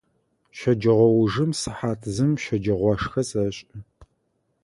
Щэджэгъоужым сыхьат зым щэджагъошхэ сэшӏы.